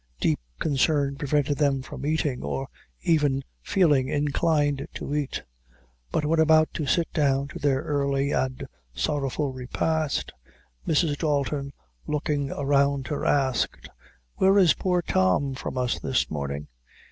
Deep concern prevented them from eating, or even feeling inclined to eat; but when about to sit down to their early and sorrowful repast, Mrs. Dalton, looking around her, asked "Where is poor Tom from us this morning?"